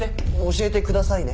「教えてください」ね。